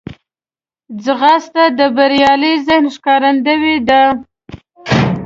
ځغاسته د بریالي ذهن ښکارندوی ده